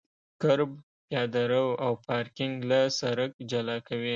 کرب پیاده رو او پارکینګ له سرک جلا کوي